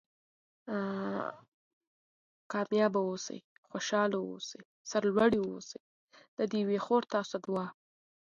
د بانک والۍ د یوې سترې کورنۍ پام ځان ته ور اړولی و.